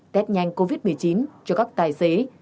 test nhanh covid một mươi chín cho các tài xế